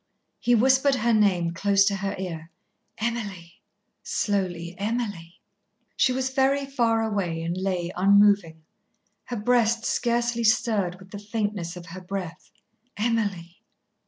He whispered her name close to her ear. "Emily!" slowly, "Emily!" She was very far away and lay unmoving. Her breast scarcely stirred with the faintness of her breath. "Emily!